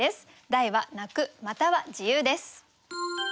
題は「泣」または自由です。